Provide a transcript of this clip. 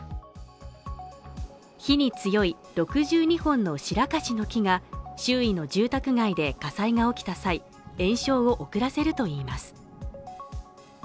火に強い６２本のシラカシの木が周囲の住宅街で火災が起きた際延焼を遅らせるといいます